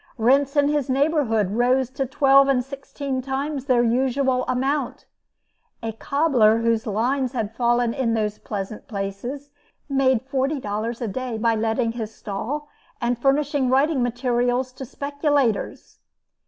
Rents in his neighborhood rose to twelve and sixteen times their usual amount. A cobbler, whose lines had fallen in those pleasant places, made $40 a day by letting his stall and furnishing writing materials to speculators.